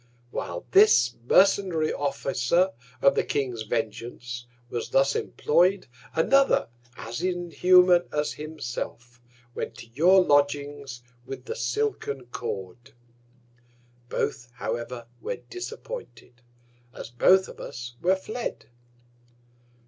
Whilst this mercenary Officer of the King's Vengeance was thus employ'd, another as inhuman as himself, went to your Lodgings with the silken Cord. Both, however, were disappointed, as both of us were fled.